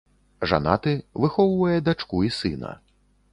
Жанаты, выхоўвае дачку і сына.